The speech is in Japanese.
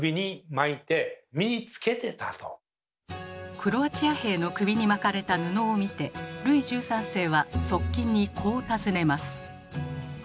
クロアチア兵の首に巻かれた布を見てルイ１３世は側近にこう尋ねます。